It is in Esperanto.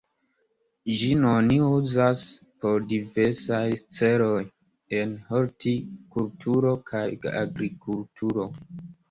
Ĝin oni uzas por diversaj celoj en hortikulturo kaj agrikulturo.